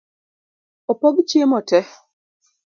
Opog chiemo tee.